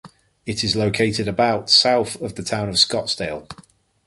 It is located about south of the town of Scottsdale.